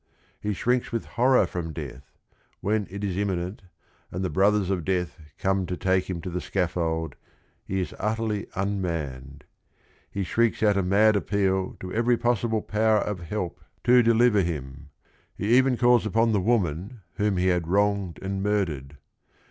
He shrinks with horro x froaajdeath ; when it is imminent and the Brothers of Death come to take him to the scaffold, he is utterly unmanned. He shrieks out a mad appeal to every possible power of help to deliver GUIDO 201 him. He even calls upon the woman whom he had wronged and murdered.